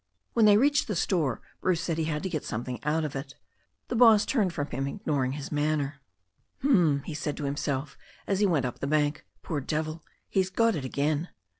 When they reached the store, Bruce said he had to get something out of it. The boss turned from him, ignoring his manner. "Hm!" he said to himself, as he went up the bank. "Poor devil! He's got it again."